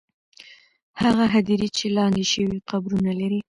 هغه هدیرې چې لاندې شوې، قبرونه لري.